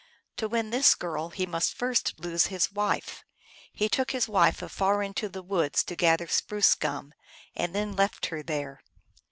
To win this girl he first must lose his wife. He took his wife afar into the woods to gather spruce gum, and then left her there.